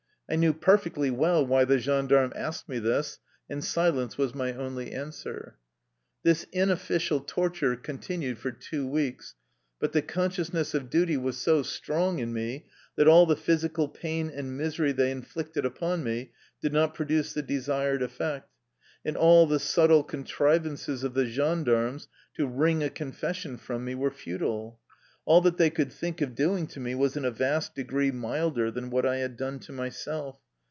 I knew perfectly well why the gendarme asked me this, and silence was my only answer. This inof&cial torture continued for two weeks, but the consciousness of duty was so strong in me that all the physical pain and mis ery they inflicted upon me did not produce the desired effect, and all the subtle contrivances of the gendarmes to wring a confession from me were futile. All that they could think of doing to me was in a vast degree milder than what I had done to myself.